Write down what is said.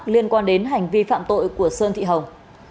liên quan đến hành vi phạm tội của sơn thị hồng